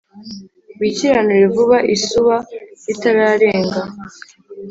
Wikiranure vuba isuba ritararenga